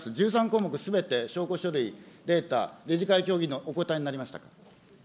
１３項目すべて、証拠書類、データ、理事会協議でお答えになりましたか。